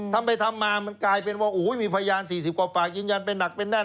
ทำไปทำมามันกลายเป็นว่ามีพยาน๔๐กว่าปากยืนยันเป็นหนักเป็นแน่น